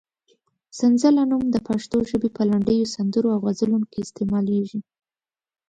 سنځله نوم د پښتو ژبې په لنډیو، سندرو او غزلونو کې استعمالېږي.